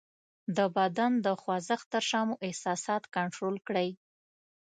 د بدن د خوځښت تر شا مو احساسات کنټرول کړئ :